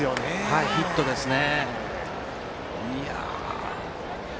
はい、ヒットですね。